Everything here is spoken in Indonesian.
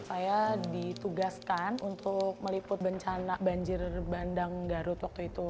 saya ditugaskan untuk meliput bencana banjir bandang garut waktu itu